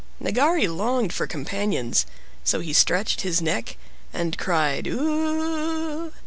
Nagari longed for companions, so he stretched his neck and cried "U u u u u."